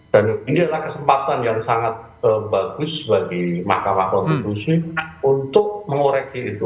dan ini adalah kesempatan yang sangat bagus bagi mahkamah konstitusi untuk mengoreksi itu